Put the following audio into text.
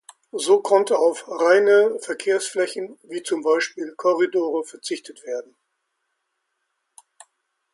So konnte auf reine Verkehrsflächen wie zum Beispiel Korridore verzichtet werden.